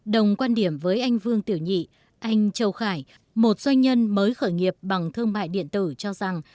đồng quan điểm với anh vương tiểu nhị anh châu khải một doanh nhân mới khởi nghiệp bằng thương mại điện tử cho rằng